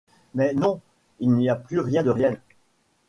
Mais non, il n’y a rien de plus réel.